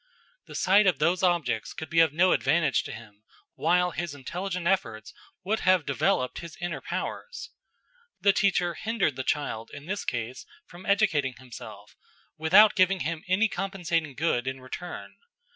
The sight of those objects could be of no advantage to him, while his intelligent efforts would have developed his inner powers. The teacher hindered the child, in this case, from educating himself, without giving him any compensating good in return.